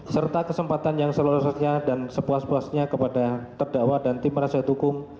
serta kesempatan yang seluas luasnya dan sepuas puasnya kepada terdakwa dan tim penasihat hukum